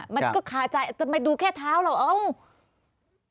มันก็ขาดใจแต่ไม่ดูแค่เท้าหรอก